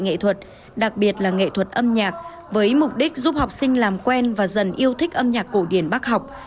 nghệ thuật đặc biệt là nghệ thuật âm nhạc với mục đích giúp học sinh làm quen và dần yêu thích âm nhạc cổ điển bác học